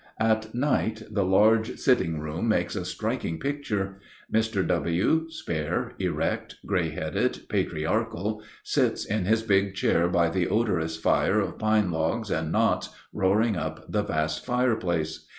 At night the large sitting room makes a striking picture. Mr. W., spare, erect, gray headed, patriarchal, sits in his big chair by the odorous fire of pine logs and knots roaring up the vast fireplace.